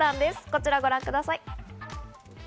こちらをご覧ください。